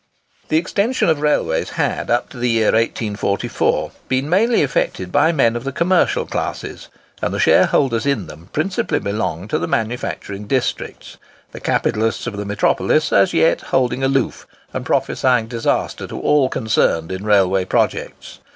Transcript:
The extension of railways had, up to the year 1844, been mainly effected by men of the commercial classes, and the shareholders in them principally belonged to the manufacturing districts,—the capitalists of the metropolis as yet holding aloof, and prophesying disaster to all concerned in railway projects.